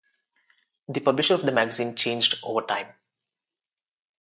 The publisher of the magazine changed over time.